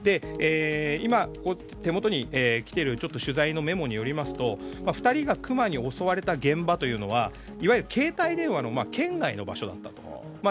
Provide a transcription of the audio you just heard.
今手元に来ている取材のメモによりますと２人がクマに襲われた現場というのはいわゆる携帯電話の圏外の場所だったと。